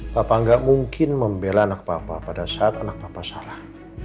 papa gak mungkin membela anak papa pada saat anak papa salah